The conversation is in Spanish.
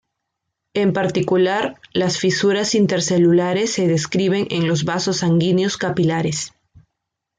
En particular, las fisuras intercelulares se describen en los vasos sanguíneos capilares.